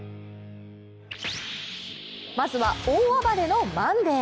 まずは、大暴れのマンデー。